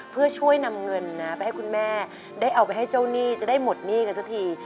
เพื่อช่วยนำเงินนะไปให้คุณแม่ได้เอาไปให้เจ้าหนี้จะได้หมดหนี้กันสักที